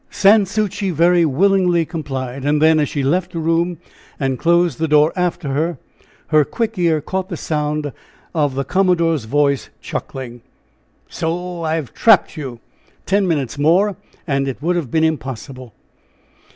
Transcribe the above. Sans Souci very willingly complied. And then, as she left the room and closed the door after her, her quick ear caught the sound of the commodore's voice, chuckling: "So! I've trapped you! Ten minutes more, and it would have been impossible."